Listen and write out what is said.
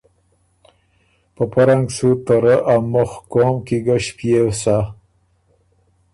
په پۀ رنګ سُو ته رۀ ا مُخ قوم کی ګۀ ݭپيېو سَۀ